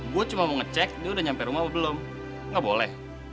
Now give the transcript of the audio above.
gue cuma mau ngecek dia udah nyampe rumah belum nggak boleh